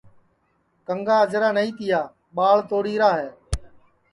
کنٚگا اجرا نائی تیا ٻاݪ توڑی را ہے